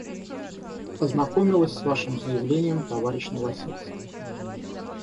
Ознакомилась с Вашим заявлением, товарищ Новосельцев.